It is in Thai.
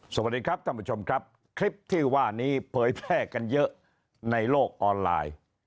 สวัสดีครับท่านผู้ชมครับคลิปที่ว่านี้เผยแพร่กันเยอะในโลกออนไลน์